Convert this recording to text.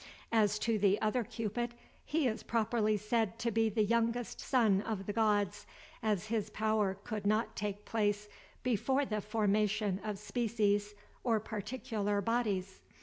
As to the other Cupid, he is properly said to be the youngest son of the gods, as his power could not take place before the formation of species, or particular bodies.